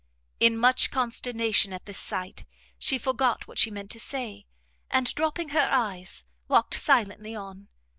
In much consternation at this sight, she forgot what she meant to say, and dropping her eyes, walked silently on.